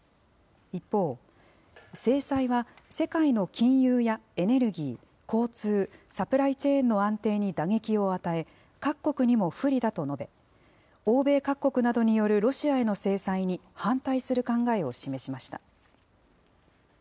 一方、制裁は世界の金融やエネルギー、交通、サプライチェーンの安定に打撃を与え、各国にも不利だと述べ、欧米各国などによるロシアへの制裁に反対する考えを示しました。